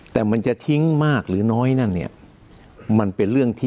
แต่มันจะทิ้งมากหรือน้อยนั่นเนี่ยมันเป็นเรื่องที่